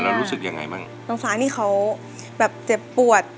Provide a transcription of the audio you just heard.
แล้วรู้สึกยังไงบ้างน้องฟ้านี่เขาแบบเจ็บปวด